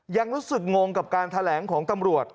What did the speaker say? ยังรู้สึกงงกับการแถลงของตำรวจ